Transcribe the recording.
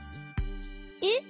えっ！